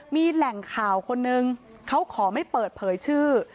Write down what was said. มีแหล่งข่าวคนนึงเขาขอไม่เปิดเผยชื่อ